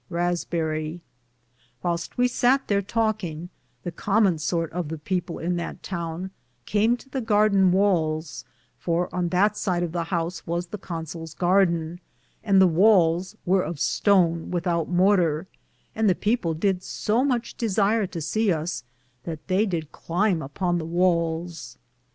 ^ Whyleste we satt thare talkinge, the common sorte of the people in that towne came to the garden wales, for on that sid of the house was the Consols garthen, and the wales weare of stone withoute morter, and the people Did so muche desier to se us, that they did climbe upon the wales.